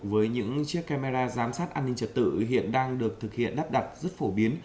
với những chiếc camera giám sát an ninh trật tự hiện đang được thực hiện đắp đặt rất phổ biến